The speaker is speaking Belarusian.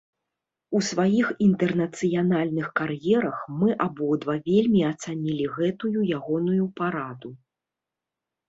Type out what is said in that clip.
У сваіх інтэрнацыянальных кар'ерах, мы абодва вельмі ацанілі гэтую ягоную параду.